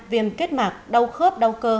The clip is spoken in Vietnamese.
viêm kết mạc đau khớp đau cơ